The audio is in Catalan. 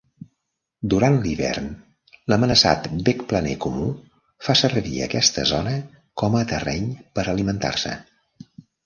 Durant l'hivern, l'amenaçat becplaner comú fa servir aquesta zona com a terreny per alimentar-se.